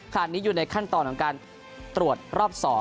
ขณะนี้อยู่ในขั้นตอนของการตรวจรอบ๒